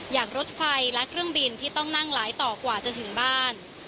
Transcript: รถไฟและเครื่องบินที่ต้องนั่งหลายต่อกว่าจะถึงบ้าน